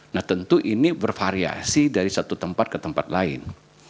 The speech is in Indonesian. nah tentu ini bervariasi dari satu tempat ke tempat lain